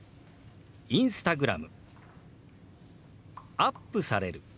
「アップされる」。